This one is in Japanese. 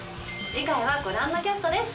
次回はご覧のキャストです。